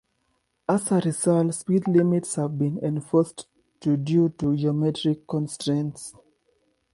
As a result, speed limits have been enforced to due to geometric constraints.